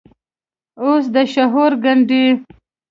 او د شور ګنډي